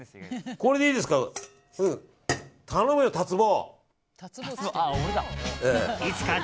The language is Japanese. これでいいですから。